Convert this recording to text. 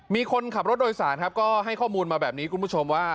มีคนขับรถโดยสารครับก็ให้ข้อมูลมาแบบนี้คุณผู้ชมว่า